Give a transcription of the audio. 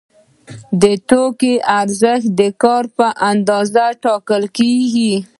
د توکو ارزښت د کار په اندازه ټاکل کیږي.